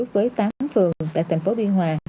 với tám phường tại thành phố biên hòa